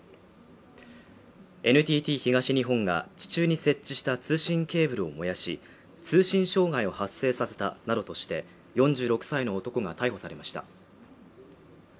ＮＴＴ東日本が地中に設置した通信ケーブルを燃やし通信障害を発生させたなどとして４６歳の男が逮捕されました